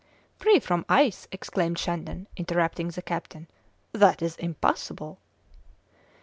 "Free from ice!" exclaimed Shandon, interrupting the captain, "that is impossible!"